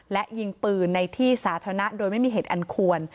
และยิงปืนในที่สาธารณะโดยไม่มีเหตุอันควร